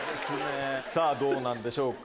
どうなんでしょうか